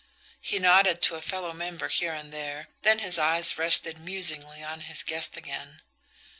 He nodded to a fellow member here and there, then his eyes rested musingly on his guest again.